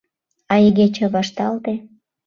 А игече вашталте.